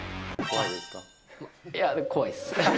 いや、怖いです。